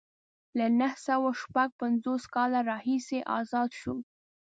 له نهه سوه شپږ پنځوس کال راهیسې ازاد شو.